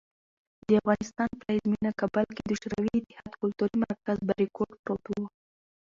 د افغانستان پلازمېنه کابل کې د شوروي اتحاد کلتوري مرکز "بریکوټ" پروت و.